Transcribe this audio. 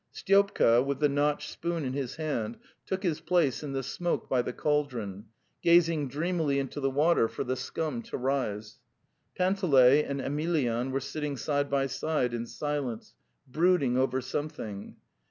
Sty opka, with the notched spoon in his hand, took his place in the smoke by the cauldron, gazing dreamily into the water for the scum to rise. Panteley and Emelyan were sitting side by side in silence, brood ing over something.